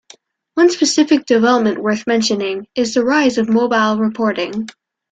One specific development worth mentioning, is the rise of mobile reporting.